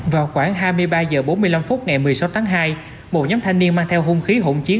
vào khoảng hai mươi ba h bốn mươi năm phút ngày một mươi sáu tháng hai một nhóm thanh niên mang theo hung khí hỗn chiến